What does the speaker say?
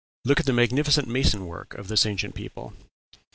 Look at the magnificent mason work of this ancient people!